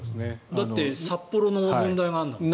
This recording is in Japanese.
だって札幌の問題があるんだもん。